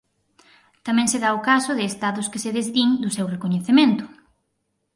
Tamén se da o caso de estados que se desdín do seu recoñecemento.